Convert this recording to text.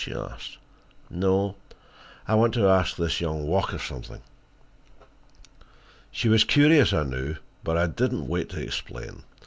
she asked. "No, I want to ask this young Walker something." She was curious, I knew, but I did not wait to explain.